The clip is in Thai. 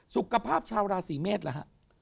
สุขภาพชาวราศีเมษฐ์เหรอฮะ